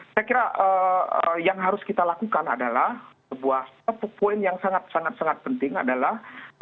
saya kira yang harus kita lakukan adalah sebuah poin yang sangat sangat penting adalah